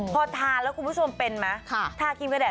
พอทานแล้วคุณผู้ชมเป็นไหมทากรีมกับแอด